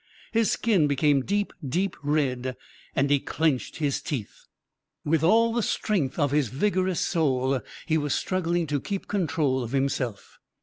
His skin became deep, deep red, and he clenched his teeth. With all the strength of his vigorous soul he was struggling to keep control of himself.